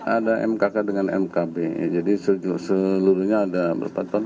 ada mkk dengan mkb jadi seluruhnya ada berpatok